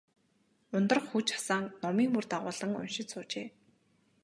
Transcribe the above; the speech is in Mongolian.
Ундрах хүж асаан, номын мөр дагуулан уншиж суужээ.